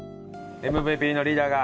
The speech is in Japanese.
ＭＶＰのリーダーが。